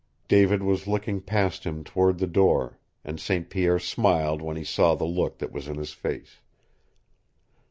David was looking past him toward the door, and St. Pierre smiled when he saw the look that was in his face.